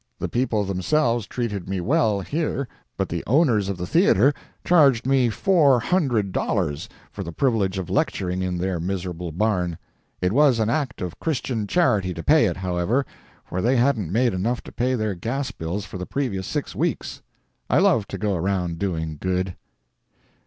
The people themselves treated me well, here, but the owners of the theater charged me four hundred dollars for the privilege of lecturing in their miserable barn. It was an act of Christian charity to pay it, however, for they hadn't made enough to pay their gas bills for the previous six weeks. I love to go around doing good.